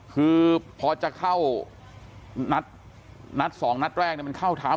คือพอจะเข้านัด๒นัดแรกมันเข้าเท้า